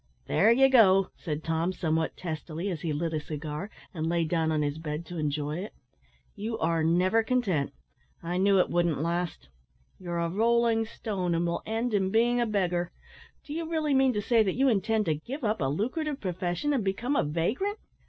"There you go," said Tom, somewhat testily, as he lit a cigar, and lay down on his bed to enjoy it; "you are never content; I knew it wouldn't last; you're a rolling stone, and will end in being a beggar. Do you really mean to say that you intend to give up a lucrative profession and become a vagrant?